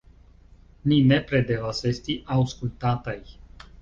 Ni nepre devas esti aŭskultataj.